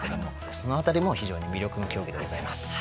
そのあたりも非常に魅力の競技でございます。